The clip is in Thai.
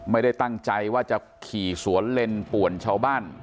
ไม่ได้ตั้งใจว่าจะขี่สวนเล่นป่วนชาวบ้าน